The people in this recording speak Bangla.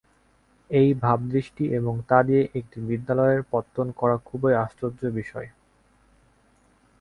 এই ভাবদৃষ্টি এবং তা দিয়ে একটি বিদ্যালয়ের পত্তন করা খুবই আশ্চর্যের বিষয়।